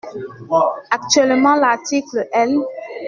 Actuellement, l’article L.